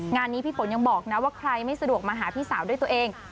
งานนี้พี่ฝนยังบอกนะว่าใครไม่สะดวกมาหาพี่สาวด้วยตัวเอง